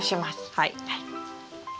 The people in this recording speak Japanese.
はい。